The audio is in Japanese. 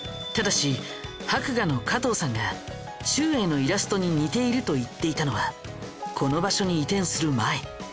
ただし博雅の加藤さんがちゅうえいのイラストに似ていると言っていたのはこの場所に移転する前。